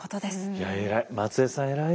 いや偉い。